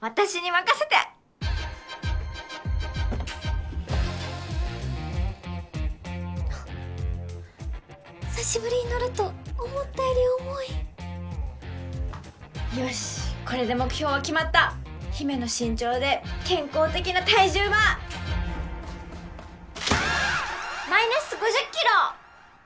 はっ久しぶりに乗ると思ったより重いよしこれで目標は決まった陽芽の身長で健康的な体重はマイナス５０キロ！